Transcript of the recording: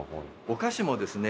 お菓子もですね